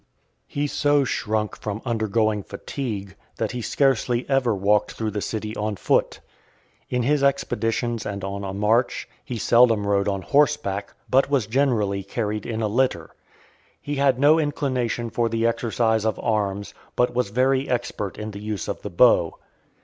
XIX. He so shrunk from undergoing fatigue, that he scarcely ever walked through the city on foot. In his (496) expeditions and on a march, he seldom rode on horse back; but was generally carried in a litter. He had no inclination for the exercise of arms, but was very expert in the use of the bow.